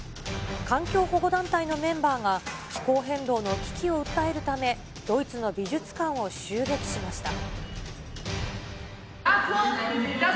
環境保護団体のメンバーが、気候変動の危機を訴えるため、ドイツの美術館を襲撃しました。